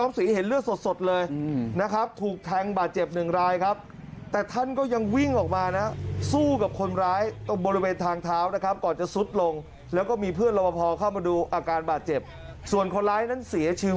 โอ้โฮโอ้โฮโอ้โฮโอ้โฮโอ้โฮโอ้โฮโอ้โฮโอ้โฮโอ้โฮโอ้โฮโอ้โฮโอ้โฮโอ้โฮโอ้โฮโอ้โฮโอ้โฮโอ้โฮโอ้โฮโอ้โฮโอ้โฮโอ้โฮโอ้โฮโอ้โฮโอ้โฮโอ้โฮโอ้โฮโอ้โฮโอ้โฮโอ้โฮโอ้โฮโอ้โฮโอ้โฮ